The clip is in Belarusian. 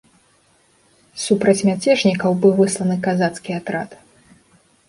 Супраць мяцежнікаў быў высланы казацкі атрад.